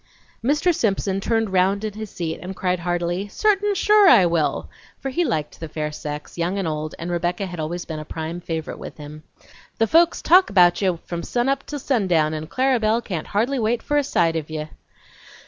Mr. Simpson turned round in his seat and cried heartily, "Certain sure I will!" for he liked the fair sex, young and old, and Rebecca had always been a prime favorite with him. "Climb right in! How's everybody? Glad to see ye! The folks talk bout ye from sun up to sun down, and Clara Belle can't hardly wait for a sight of ye!"